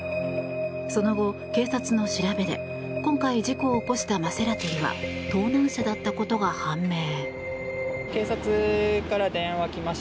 その後、警察の調べで今回事故を起こしたマセラティは盗難車だったことが判明。